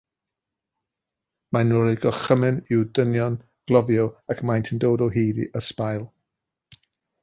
Mae'n rhoi gorchymyn i'w ddynion gloddio ac maent yn dod o hyd i ysbail.